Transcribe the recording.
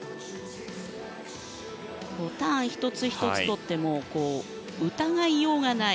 ターン１つ１つとっても疑いようがない。